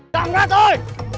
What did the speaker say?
jangan berat oi